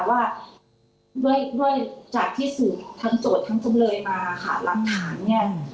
ว่าด้วยด้วยจากที่สืบทั้งโจทย์ทั้งจำเลยมาค่ะหลักฐานเนี่ย